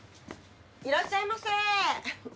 いらっしゃいませ！